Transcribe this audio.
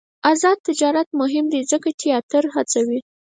آزاد تجارت مهم دی ځکه چې تیاتر هڅوي.